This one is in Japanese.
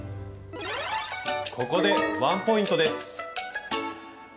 ここでワンポイントです。